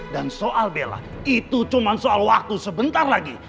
dan soal bella itu cuma soal waktu sebentar lagi